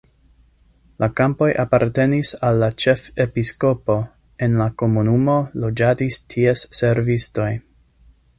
La kampoj apartenis al la ĉefepiskopo, en la komunumo loĝadis ties servistoj.